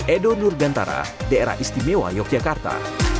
edo nurgantara daerah istimewa yogyakarta